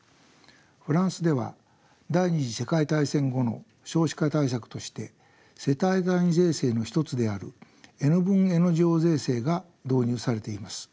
フランスでは第２次世界大戦後の少子化対策として世帯単位税制の一つであるＮ分Ｎ乗税制が導入されています。